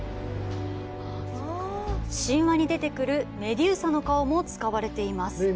神話に出てくるメドューサの顔も使われています。